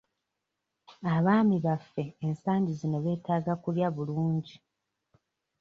Abaami baffe ensangi zino beetaaga kulya bulungi.